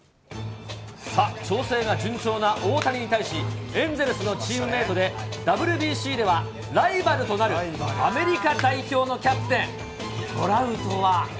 さあ、調整が順調な大谷に対し、エンゼルスのチームメートで、ＷＢＣではライバルとなるアメリカ代表のキャプテン、トラウトは。